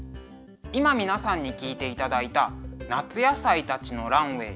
今皆さんに聴いていただいた「夏野菜たちのランウェイ」。